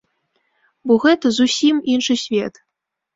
Бо гэта зусім іншы свет.